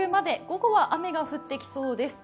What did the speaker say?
午後は雨が降ってきそうです。